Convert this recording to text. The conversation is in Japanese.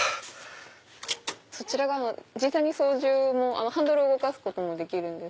そちらが実際に操縦もハンドルを動かすこともできる。